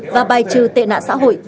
và bài trừ tệ nạn xã hội